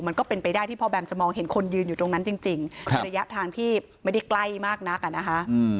มันก็เป็นไปได้ที่พ่อแมมจะมองเห็นคนยืนอยู่ตรงนั้นจริงในระยะทางที่ไม่ได้ใกล้มากนักอ่ะนะคะ